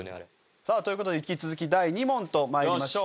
さあという事で引き続き第２問と参りましょう。